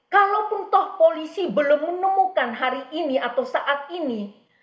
kalaupun toh polisi belum menemukan hari ini atau saat ini